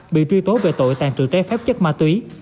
bị truy tố về tội tàn trự trái phép chất ma túy